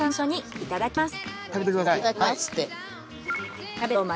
いただきます。